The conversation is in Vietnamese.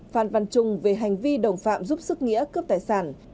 phan văn trung về hành vi đồng phạm giúp sức nghĩa cướp tài sản